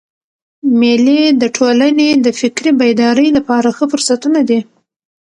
مېلې د ټولني د فکري بیدارۍ له پاره ښه فرصتونه دي.